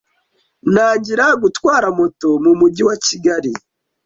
ntangira gutwara moto mu mujyi wa Kigali